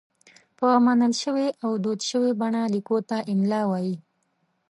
په منل شوې او دود شوې بڼه لیکلو ته املاء وايي.